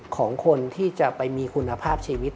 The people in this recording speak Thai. ของคนที่จะไปมีคุณภาพชีวิต